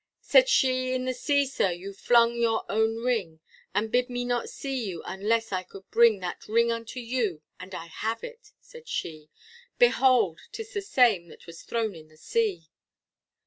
Said she, in the sea, sir, you flung your own ring, And bid me not see you, unless I could bring That ring unto you, and I have it, said she, Behold, 'tis the same that was thrown in the sea.